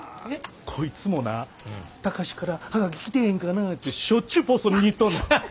こいつもな貴司から葉書来てへんかなてしょっちゅうポスト見に行っとんねん。